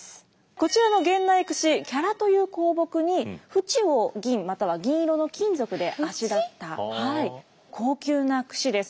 こちらの源内くし伽羅という香木に縁を銀または銀色の金属であしらった高級なくしです。